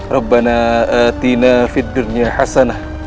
rabbana atina fidurnya hasanah